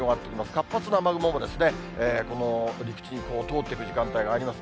活発な雨雲も、この陸地を通っていく時間帯があります。